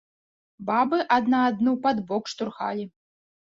Бабы адна адну пад бок штурхалі.